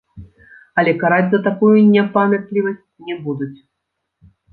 Але караць за такую непамятлівасць не будуць.